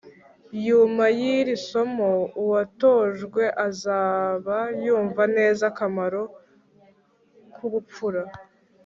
yuma y'iri somo, uwatojwe azaba yumva neza akamaro k'ubupfura